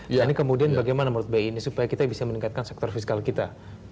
jadi kemudian bagaimana menurut bi ini supaya kita bisa meningkatkan sektor fiskal kita